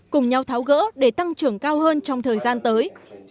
cùng nhau tháo gỡ để tăng trưởng cao hơn trong thời gian tới